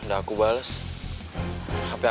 apa kabar dengan apel